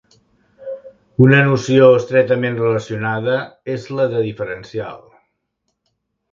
Una noció estretament relacionada és la de diferencial.